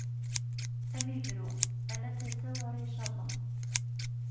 Ad am-ibru, ala tasa-w ara icaḍen.